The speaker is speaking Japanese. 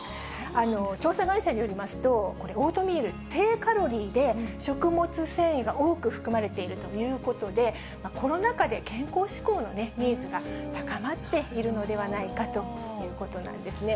調査会社によりますと、これ、オートミール、低カロリーで、食物繊維が多く含まれているということで、コロナ禍で健康志向のニーズが高まっているのではないかということなんですね。